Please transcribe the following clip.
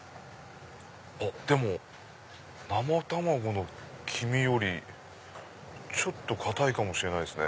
でも生卵の黄身よりちょっと硬いかもしれないですね。